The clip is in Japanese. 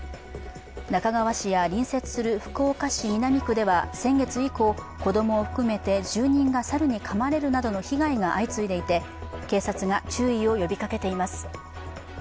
那珂川市や隣接する福岡市南区では先月以降、子供を含めて住人が猿にかまれるなどの被害が相次いでいて、警察が注意を呼びかけています。